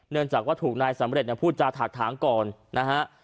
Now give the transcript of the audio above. เนื่องจากว่าถูกนายสำเร็จพูดจาถากถางก่อนนะฮะ